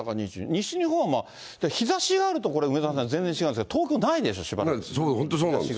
西日本は日ざしがあると、これ、梅沢さん、全然違うんですけど、東京ないでしょ、しばらく。